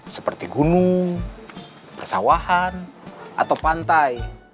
seperti gunung persawahan atau pantai